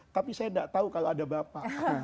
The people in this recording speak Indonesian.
tapi saya tidak tahu kalau ada bapak